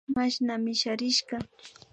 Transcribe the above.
Mashna misharishka